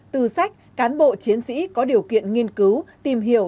từ sách cán bộ chiến sĩ có điều kiện nghiên cứu